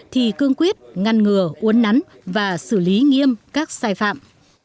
thì cương quyết ngăn ngừa uốn nắn và xử lý nghiêm các sai phạm